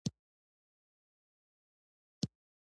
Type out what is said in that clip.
ایا ستاسو ښوونځی به خلاصیږي؟